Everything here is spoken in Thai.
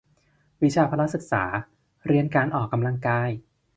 วิชาพละศึกษา เรียนการออกกำลังกาย